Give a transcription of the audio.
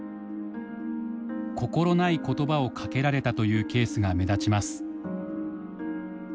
心ない言葉をかけられたというケースが目立ちます。